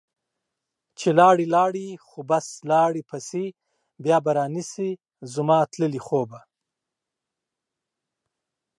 چې لاړي لاړي خو بس لاړي پسي ، بیا به رانشي زما تللي خوبه